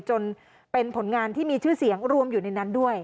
จนเป็นผลงานที่มีชื่อเสียงรวมอยู่ในนั้นด้วย